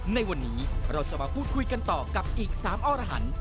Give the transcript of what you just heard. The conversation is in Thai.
ในวันนี้เราจะมาพูดคุยกันต่อกับอีก๓อรหัน